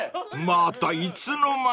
［またいつの間に］